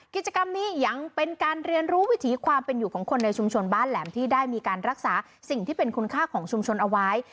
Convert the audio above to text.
กิจกรรมนี้ยังเป็นการเรียนรู้วิถีความเป็นอยู่ของคนในชุมชนบ้านแหลมที่ได้มีการรักษาสิ่งที่เป็นคุณค่าของชุมชนเอาไว้